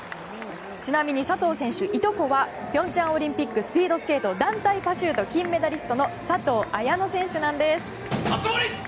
ちなみに佐藤選手いとこは平昌オリンピックスピードスケート団体パシュート金メダリストの佐藤綾乃選手なんです。